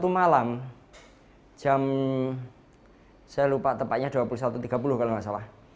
satu malam jam saya lupa tepatnya dua puluh satu tiga puluh kalau nggak salah